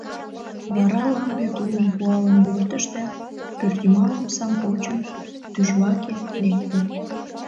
Вара лампе тулым пуалын йӧртыш да, пӧртйымал омсам почын, тӱжваке лекте.